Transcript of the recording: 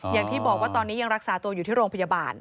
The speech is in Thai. อย่างที่บอกว่าตอนนี้ยังรักษาตัวอยู่ที่โรงพยาบาล